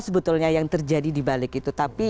sebetulnya yang terjadi di balik itu tapi